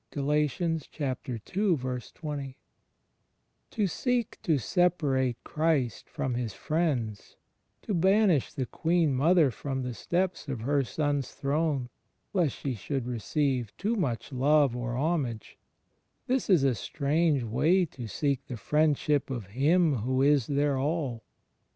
« To seek to separate Christ from His friends, to banish the Queen Mother from the steps of Her Son's throne, lest she should receive too much love or homage — this is a strange way to seek the Friendship of Him who is their All!